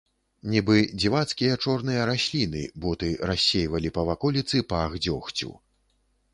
Нібы дзівацкія чорныя расліны, боты рассейвалі па ваколіцы пах дзёгцю.